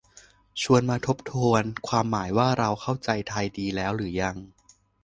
ชวนมาทบทวนความหมายว่าเราเข้าใจไทยดีแล้วหรือยัง